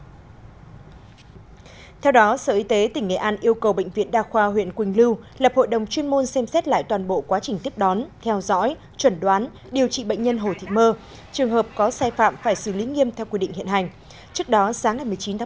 sở y tế nghệ an cho biết đơn vị vừa có văn bản gửi bệnh viện hữu nghị đa khoa huyện quỳnh lưu sớm xem xét lại quá trình tiếp đón theo dõi chuẩn đoán điều trị liên quan đến việc sản phụ hai mươi bảy tuổi nguy kịch thai nhị tử vong